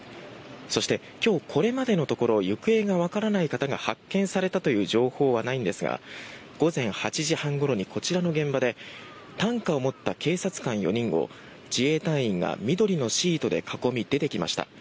そして、今日これまでのところ行方がわからない方が発見されたという情報はないんですが午前８時半ごろにこちらの現場で担架を持った警察官４人を自衛隊員が緑のシートで囲み出てきました。